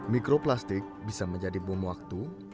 mikroplastik bisa menjadi bom waktu